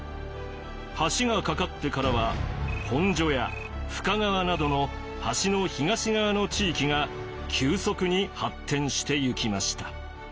橋が架かってからは本所や深川などの橋の東側の地域が急速に発展してゆきました。